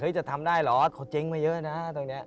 จะทำได้เหรอเขาเจ๊งมาเยอะนะตรงนี้